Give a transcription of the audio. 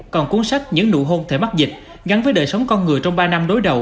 còn cuốn sách những nụ hôn thể mắc dịch gắn với đời sống con người trong ba năm đối đầu